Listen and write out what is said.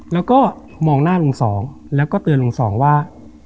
แล้วก็มองหน้าลุงสองแล้วก็เตือนลุงสองว่า